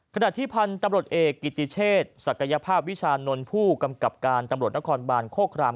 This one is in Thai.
ขณะที่พันธุ์ตำรวจเอกกิติเชษศักยภาพวิชานนท์ผู้กำกับการตำรวจนครบานโคคราม